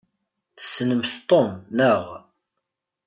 Tessnemt Tom, naɣ?